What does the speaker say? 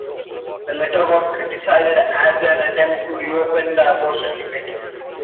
The letter was criticized as an attempt to reopen the abortion debate.